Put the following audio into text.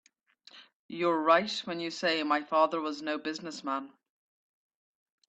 You're right when you say my father was no business man.